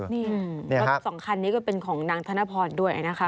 นี่รถสองคันนี้ก็เป็นของนางธนพรด้วยนะคะ